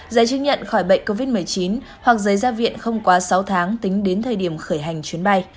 giấy chứng nhận khỏi bệnh covid một mươi chín hoặc giấy gia viện không quá sáu tháng tính đến thời điểm khởi hành chuyến bay